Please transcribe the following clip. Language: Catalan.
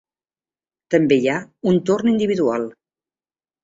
També hi ha un torn individual.